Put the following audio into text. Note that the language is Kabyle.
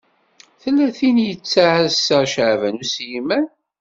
Tella tin i yettɛassa Caɛban U Sliman.